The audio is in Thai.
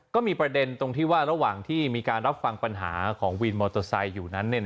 ก็มีประเด็นตรงที่ว่าระหว่างที่มีการรับฟังปัญหาของวินมอเตอร์ไซค์อยู่นั้น